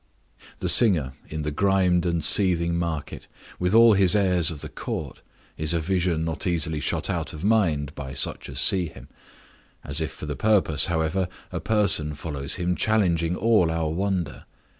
The singer in the grimed and seething market, with all his airs of the court, is a vision not easily shut out of mind by such as see him; as if for the purpose, however, a person follows him challenging all our wonder.